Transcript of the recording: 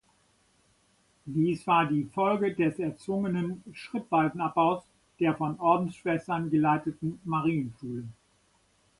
Dies war die Folge des erzwungenen schrittweisen Abbaus der von Ordensschwestern geleiteten Marienschule.